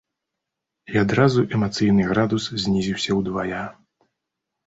І адразу эмацыйны градус знізіўся удвая.